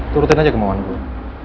turutin aja kemauan gua